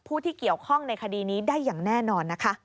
ผู้ที่เกี่ยวข้องในคดีนี้ได้อย่างแน่นอนนะคะ